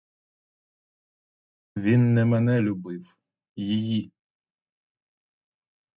Він не мене любив — її.